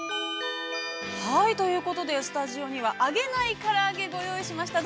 ◆ということで、スタジオには、揚げないから揚げ、ご用意しました。